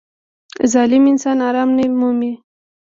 • ظالم انسان آرام نه مومي.